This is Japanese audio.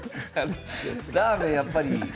ラーメン、やっぱり。